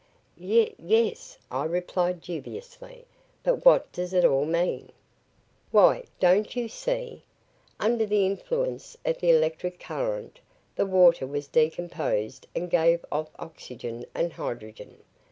"Y yes," I replied dubiously, "but what does it all mean?" "Why, don't you see? Under the influence of the electric current the water was decomposed and gave off oxygen and hydrogen.